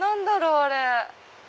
あれ。